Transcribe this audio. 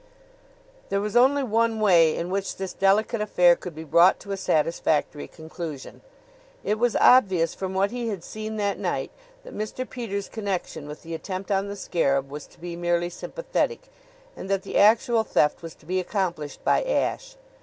There was only one way in which this delicate affair could be brought to a satisfactory conclusion. It was obvious from what he had seen that night that Mr. Peters' connection with the attempt on the scarab was to be merely sympathetic, and that the actual theft was to be accomplished by Ashe.